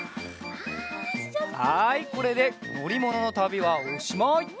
はいこれでのりもののたびはおしまい！